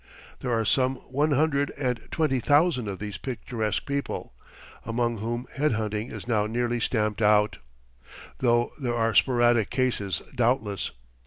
There are some one hundred and twenty thousand of these picturesque people, among whom head hunting is now nearly stamped out; though there are sporadic cases doubtless.